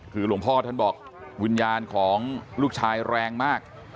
คือหลวงพ่อท่านบอกวิญญาณของลูกชายแรงมาก